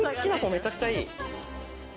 めちゃくちゃいい！